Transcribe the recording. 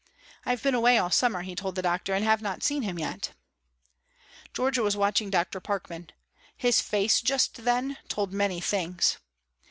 "I have been away all summer," he told the doctor, "and have not seen him yet." Georgia was watching Dr. Parkman. His face just then told many things.